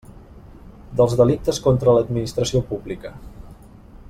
Dels delictes contra l'Administració publica.